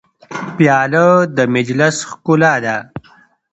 پیاله د مجلس ښکلا ده.